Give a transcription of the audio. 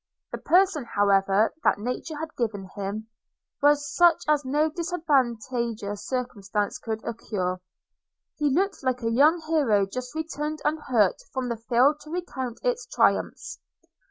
The person, however, that nature had given him, was such as no disadvantageous circumstance could obscure. He looked like a young hero just returned unhurt from the field to recount its triumphs.